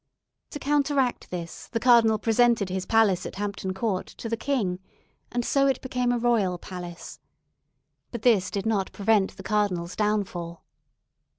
"To counteract this, the cardinal presented his palace at Hampton Court to the king, and so it became a royal palace. But this did not prevent the cardinal's downfall.